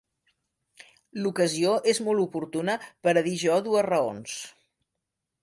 L'ocasió és molt oportuna per a dir jo dues raons.